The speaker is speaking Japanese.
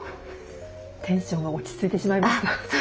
テンションが落ち着いてしまいました。